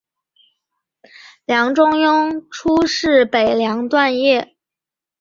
梁中庸初仕北凉段业。